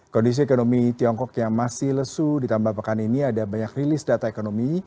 kondisi ekonomi tiongkok yang masih lesu ditambah pekan ini ada banyak rilis data ekonomi